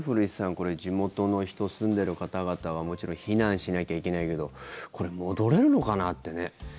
これ地元の人、住んでる方々はもちろん避難しなきゃいけないけどこれ、戻れるのかなってね。